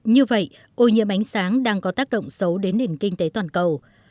như vậy ô nhiễm ánh sáng đang có tác động xấu đến nền kinh tế toàn cầu